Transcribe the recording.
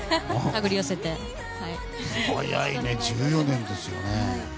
早いね、１４年ですね。